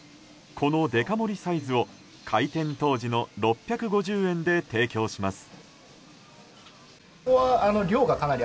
このデカ盛りサイズを開店当時の６５０円で提供します。